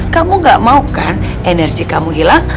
kamu gak mau kan energi kamu hilang